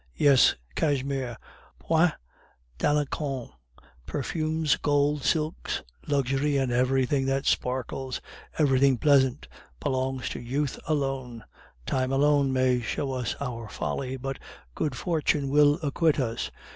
"Yes, cashmere, point d'Alencon, perfumes, gold, silks, luxury, everything that sparkles, everything pleasant, belongs to youth alone. Time alone may show us our folly, but good fortune will acquit us.